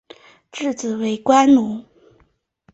诸子为官奴。